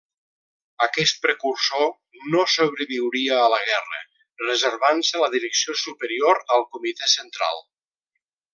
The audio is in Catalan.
Aquest precursor no sobreviuria a la guerra, reservant-se la direcció superior al Comitè Central.